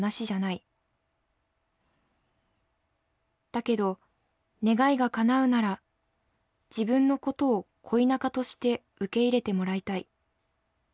だけど願いが叶うなら自分の事を恋仲として受け入れてもらいたい。